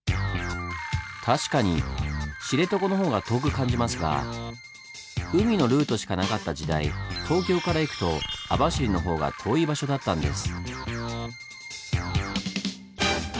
確かに知床の方が遠く感じますが海のルートしかなかった時代東京から行くと網走の方が遠い場所だったんです。